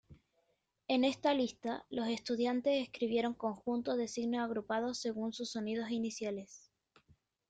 En esta lista, los estudiantes escribieron conjuntos de signos agrupados según sus sonidos iniciales.